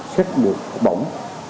xét duyệt học bổng